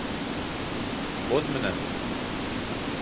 Боҙ менәнме?